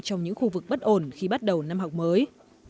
trong những khu vực bất ổn khi bắt đầu năm học mới